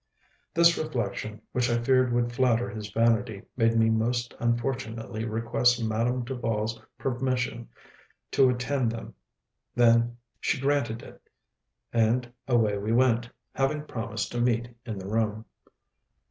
This reflection, which I feared would flatter his vanity, made me most unfortunately request Madame Duval's permission to attend them. She granted it; and away we went, having promised to meet in the room.